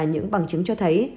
những bằng chứng cho thấy